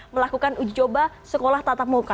melakukan ujoba sekolah tatap muka